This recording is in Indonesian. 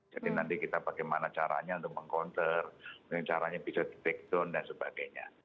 jadi nanti kita bagaimana caranya untuk meng counter caranya bisa di take down dan sebagainya